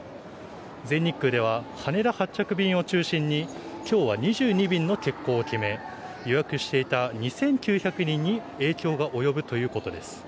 全日空では、羽田発着便を中心に今日は２２便の欠航を決め予約していた２９００人に影響が及ぶということです。